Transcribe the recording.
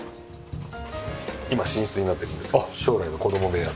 今寝室になってるんですけど将来は子供部屋。